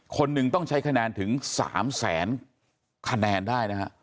คนหนึ่งต้องใช้คะแนนถึง๓แสนคะแนนได้นะฮะ